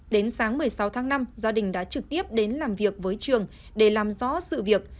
đến sáng một mươi sáu tháng năm gia đình đã trực tiếp đến làm việc với trường để làm rõ sự việc